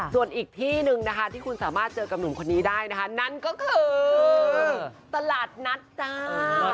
ส่วนอีกที่หนึ่งนะคะที่คุณสามารถเจอกับหนุ่มคนนี้ได้นะคะนั่นก็คือตลาดนัดจ้า